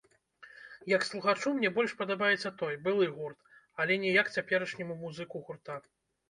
Як слухачу, мне больш падабаецца той, былы гурт, але не як цяперашняму музыку гурта.